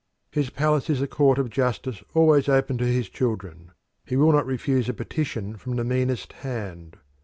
His palace is a court of justice always open to his children; he will not refuse a petition from the meanest hand.